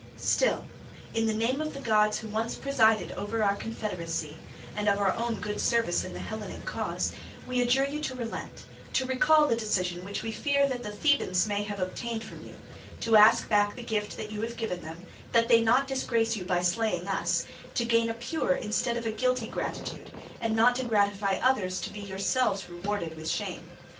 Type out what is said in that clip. "Still, in the name of the gods who once presided over our confederacy, and of our own good service in the Hellenic cause, we adjure you to relent; to recall the decision which we fear that the Thebans may have obtained from you; to ask back the gift that you have given them, that they disgrace not you by slaying us; to gain a pure instead of a guilty gratitude, and not to gratify others to be yourselves rewarded with shame.